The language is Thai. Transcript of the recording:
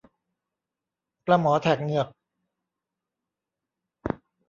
ปลาหมอแถกเหงือก